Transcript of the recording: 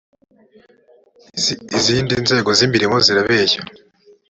izindi nzego z imirimo zirabeshya